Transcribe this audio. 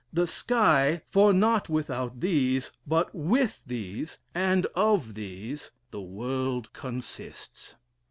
the sky; for not without these, but with these, and of these, the world consists.